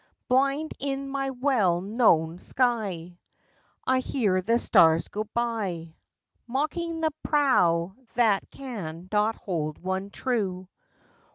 Blind in my well known sky I hear the stars go by, Mocking the prow that can not hold one true!